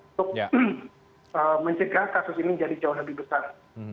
untuk mencegah kasus ini jadi jauh lebih besar